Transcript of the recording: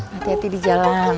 hati hati di jalan